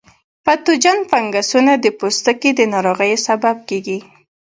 پتوجن فنګسونه د پوستکي د ناروغیو سبب کیږي.